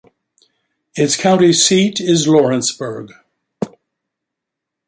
Its county seat is Lawrenceburg.